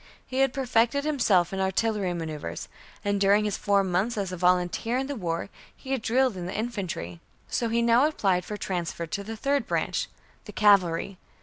He had perfected himself in artillery maneuvers; and during his four months as a volunteer in the War, he had drilled in the infantry. So he now applied for transfer to the third branch, the cavalry.